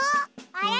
あれ？